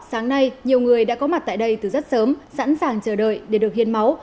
sáng nay nhiều người đã có mặt tại đây từ rất sớm sẵn sàng chờ đợi để được hiến máu